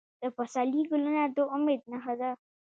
د پسرلي ګلونه د امید نښه ده.